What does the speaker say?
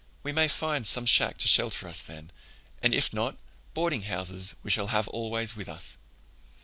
"We may find some shack to shelter us then; and if not, boardinghouses we shall have always with us."